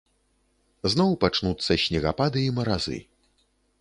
Зноў пачнуцца снегапады і маразы.